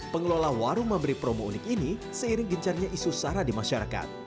pengelola warung memberi promo unik ini seiring gencarnya isu sara di masyarakat